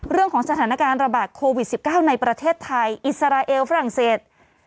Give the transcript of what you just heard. เรื่องของสถานการณ์ระบาดโควิด๑๙ในประเทศไทยอิสราเอลฝรั่งเศส